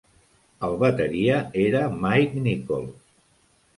El bateria era Mike Nicholls.